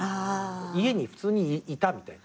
家に普通にいたみたいな。